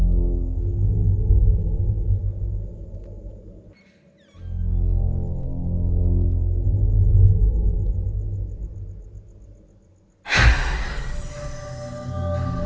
berusaha mendapatkan ketenangan